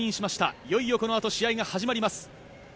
いよいよこのあと試合が始まります。